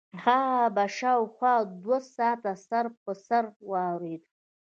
هغه به شاوخوا دوه ساعته سر په سر اورېده.